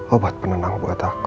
obat penenang buat aku